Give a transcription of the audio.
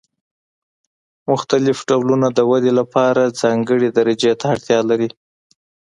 مختلف ډولونه د ودې لپاره ځانګړې درجې ته اړتیا لري.